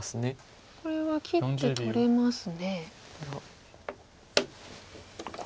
これは切って取れますね。